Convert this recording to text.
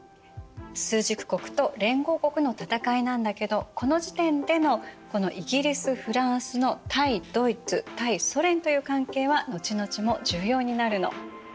枢軸国と連合国の戦いなんだけどこの時点でのイギリスフランスの対ドイツ対ソ連という関係は後々も重要になるの。